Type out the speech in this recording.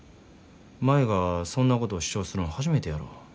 舞がそんなことを主張するん初めてやろ。